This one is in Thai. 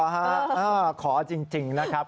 อ๋อเหรอขอจริงนะครับ